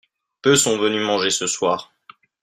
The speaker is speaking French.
Peu sont venus manger ce soir.